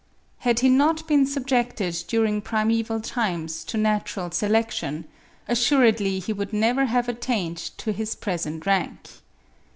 Had he not been subjected during primeval times to natural selection, assuredly he would never have attained to his present rank.